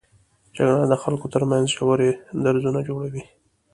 جګړه د خلکو تر منځ ژورې درزونه جوړوي